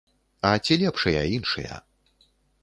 А ці лепшыя іншыя?